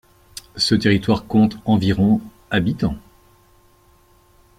Ce territoire compte environ habitants.